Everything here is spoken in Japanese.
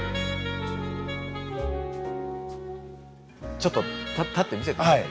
ちょっと立って見せてください。